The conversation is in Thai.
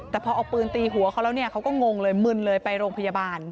แต่พอเอาปืนตีหัวเขาแล้วเนี่ยเขาก็งงเลยมึนเลยไปโรงพยาบาล